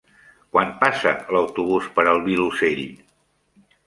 Quan passa l'autobús per el Vilosell?